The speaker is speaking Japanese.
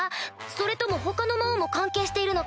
それとも他の魔王も関係しているのかな？